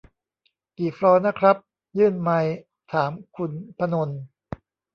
กี่ฟลอร์นะครับ ยื่นไมค์ถามคุณพนล